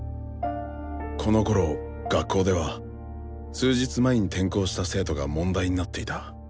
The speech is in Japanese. このころ学校では数日前に転校した生徒が問題になっていた。